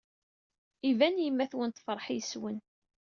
Iban yemma-twen tefṛeḥ yes-wen.